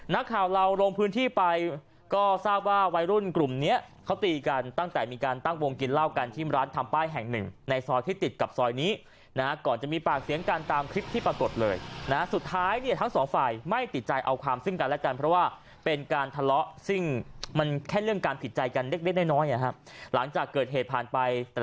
นักข่าวเราลงพื้นที่ไปก็ทราบว่าวัยรุ่นกลุ่มเนี้ยเขาตีกันตั้งแต่มีการตั้งวงกินเหล้ากันที่ร้านทำป้ายแห่งหนึ่งในซอยที่ติดกับซอยนี้นะฮะก่อนจะมีปากเสียงกันตามคลิปที่ปรากฏเลยนะสุดท้ายเนี่ยทั้งสองฝ่ายไม่ติดใจเอาความซึ่งกันและกันเพราะว่าเป็นการทะเลาะซึ่งมันแค่เรื่องการติดใจกันเล็กเล็กน้อยน้อยนะครับหลังจากเกิดเหตุผ่านไปแต่